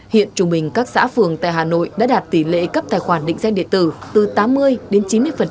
hiện trung bình các xã phường tại hà nội đã đạt tỷ lệ cấp tài khoản định danh điện tử từ tám mươi đến chín mươi